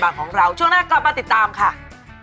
โปรดติดตามตอนต่อไป